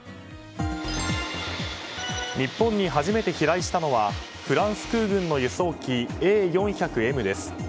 日本に初めて飛来したのはフランス空軍の輸送機Ａ４００Ｍです。